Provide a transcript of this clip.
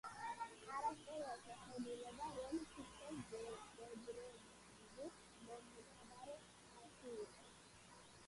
არასწორია შეხედულება, რომ თითქოს ბერბერები მომთაბარე ხალხი იყო.